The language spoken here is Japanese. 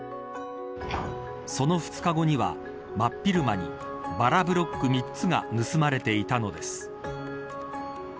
その２日後には、真っ昼間にバラブロック３つが盗まれていたのです。